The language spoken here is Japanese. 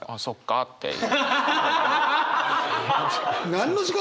何の時間？